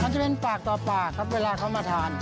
มันจะเป็นปากต่อปากครับเวลาเขามาทาน